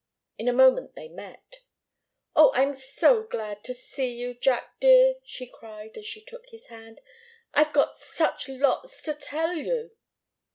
In a moment they met. "Oh, I'm so glad to see you, Jack, dear!" she cried as she took his hand. "I've got such lots to tell you!"